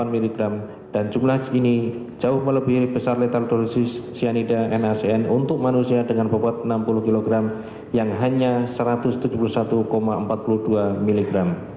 dua ratus sembilan puluh delapan mg dan jumlah ini jauh melebihi besar lethal dosis cyanidae nsn untuk manusia dengan bobot enam puluh kg yang hanya satu ratus tujuh puluh satu empat puluh dua mg